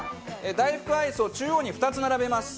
大福アイスを中央に２つ並べます。